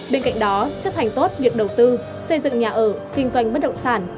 bên cạnh đó chấp hành tốt việc đầu tư xây dựng nhà ở kinh doanh bất động sản